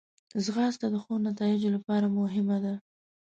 ځغاسته د ښو نتایجو لپاره مهمه ده